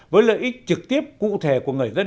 với lợi ích trực tiếp cụ thể của người dân